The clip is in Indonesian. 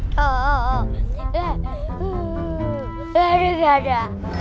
raden tidak ada